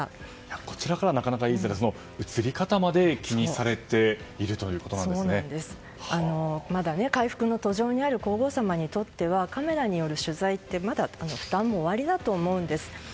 こちらからはなかなか言いづらいですが写り方まで気にされているまだ回復の途上にある皇后さまにとってはカメラによる取材ってまだ負担もおありだと思います。